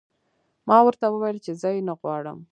ما ورته وویل چې زه یې نه غواړم